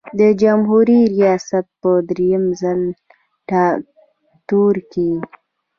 د جمهوري ریاست په دریم ځل ټاکنو کې.